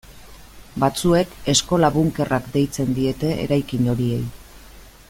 Batzuek eskola-bunkerrak deitzen diete eraikin horiei.